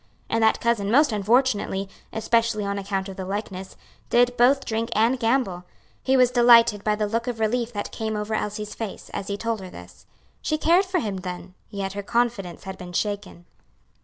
And that cousin, most unfortunately, especially on account of the likeness, did both drink and gamble. He was delighted by the look of relief that came over Elsie's face, as he told her this. She cared for him, then; yet her confidence had been shaken.